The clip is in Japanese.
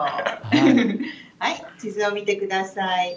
地図を見てください。